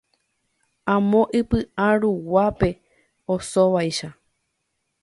Amo ipyʼa ruguápe osóvaicha.